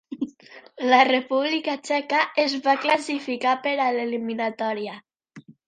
La República Txeca es va classificar per a l'eliminatòria.